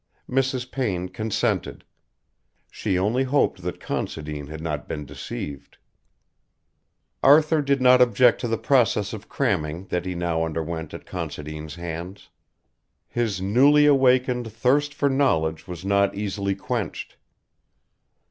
Mrs. Payne consented. She only hoped that Considine had not been deceived. Arthur did not object to the process of cramming that he now underwent at Considine's hands. His newly awakened thirst for knowledge was not easily quenched.